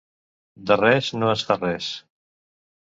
De res no es fa res.